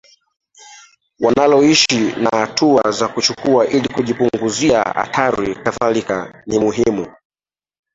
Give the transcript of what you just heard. wanaloishi na hatua za kuchukua ili kujipunguzia hatari Kadhalika ni muhimu